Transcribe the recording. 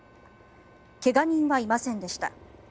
怪我人はいませんでした。